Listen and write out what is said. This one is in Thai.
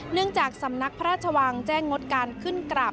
จากสำนักพระราชวังแจ้งงดการขึ้นกราบ